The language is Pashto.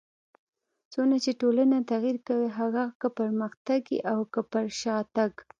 څونه چي ټولنه تغير کوي؛ هغه که پرمختګ يي او که پر شاتګ.